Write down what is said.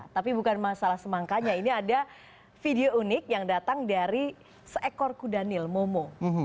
tapi bukan masalah semangkanya ini ada video unik yang datang dari seekor kudanil momo